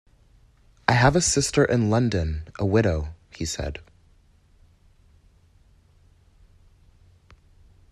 "I have a sister in London, a widow," he said.